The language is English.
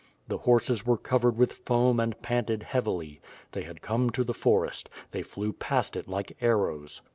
The horses were covered with foam and panted heavily. They had come to the forest. They flew past it like arrows.